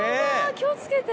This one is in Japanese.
気をつけて。